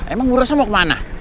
emang urusan mau kemana